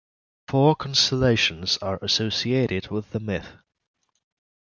Four constellations are associated with the myth.